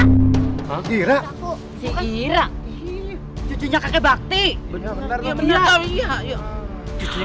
kak ira si ira cucunya kakek bakti bener bener